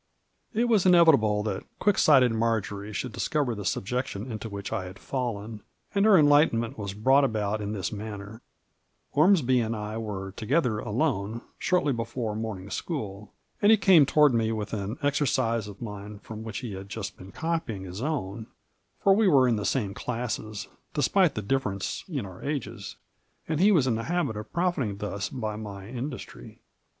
It was inevitable that quick sighted Marjory should discover the subjection into which I had fallen, and her enlightenment was brought about in this manner : Orms by and I were together alone, shortly before morning school, and he came toward me with an exercise of mine from which he had just been copying his own, for we were in the same classes, despite the difference in our Digitized byVjOOQlC MAEJ0B7, 93 ages, and he was in the habit of profiting thus bjr my in dnfitry.